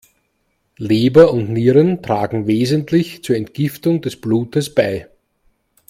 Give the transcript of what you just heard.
Leber und Nieren tragen wesentlich zur Entgiftung des Blutes bei.